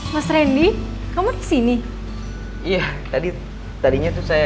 mas randy kamu kesini iya tadi tadinya tuh saya